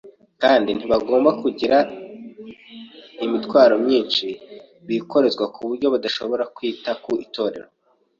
Kandi ntibagomba kugira imitwaro myinshi bikorezwa ku buryo badashobora kwita ku itorero